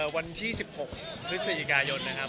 วันที่๑๖พฤศจิกายนนะครับ